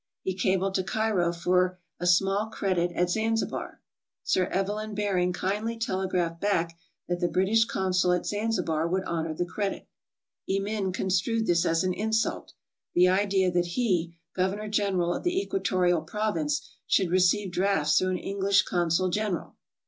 He cabled to Cairo for a small credit at Zanzibar. Sir Evelyn Baring kindly tele graphed back that the British Consul at Zanzibar would honor the credit. Emin construed this as an insult — the idea that he, Governor General of the Equatorial Province, should receive drafts through an English consul general